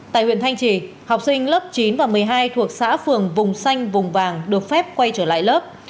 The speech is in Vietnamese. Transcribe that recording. tại huyện thanh trì học sinh lớp chín và một mươi hai thuộc xã phường vùng xanh vùng vàng được phép quay trở lại lớp